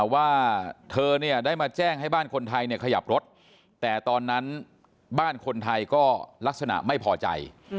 ว่าเธอเนี่ยได้มาแจ้งให้บ้านคนไทยขยับรถแต่ตอนนั้นบ้านคนไทยก็ลักษณะไม่พอใจ